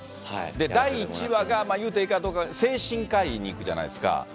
第１話が言うていいかどうか、精神科医に行くじゃないですか。